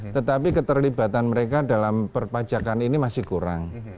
tetapi keterlibatan mereka dalam perpajakan ini masih kurang